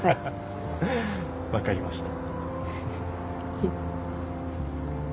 分かりました。